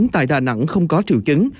tại đà nẵng không có triệu chứng